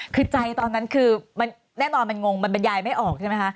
คือใจตอนนั้นคือมันแน่นอนมันงงมันบรรยายไม่ออกใช่ไหมคะ